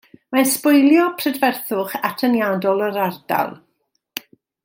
Mae'n sbwylio prydferthwch atyniadol yr ardal.